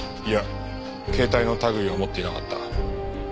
いや携帯の類いは持っていなかった。